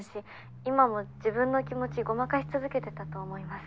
今も自分の気持ちごまかし続けてたと思います。